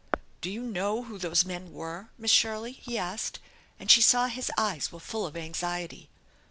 ".Do you know who those men were, Miss Shirley?" he asked, and she saw his eyes were full of anxiety.